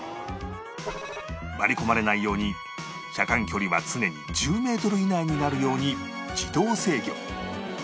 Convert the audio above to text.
割り込まれないように車間距離は常に１０メートル以内になるように自動制御